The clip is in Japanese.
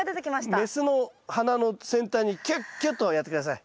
雌の花の先端にキュッキュとやって下さい。